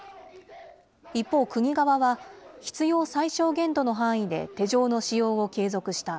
一方、国側は必要最小限度の範囲で手錠の使用を継続した。